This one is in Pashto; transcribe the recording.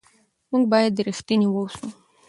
موږ باید رښتیني واوسو.